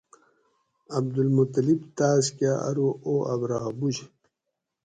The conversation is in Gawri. عدالمطلب تاس کہ ارو او ابرھہ بُج